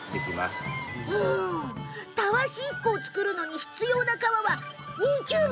たわし１個を作るのに必要な皮はなんと２０枚。